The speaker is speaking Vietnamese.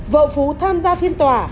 vợ phú tham gia phiền tòa